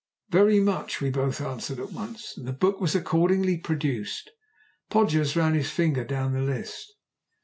"Very much," we both answered at once, and the book was accordingly produced. Podgers ran his finger down the list.